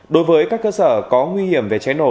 đối với các cơ sở có nguy hiểm về cháy nổ